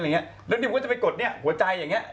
เรื่องที่ผมก็จะไปกดหัวใจ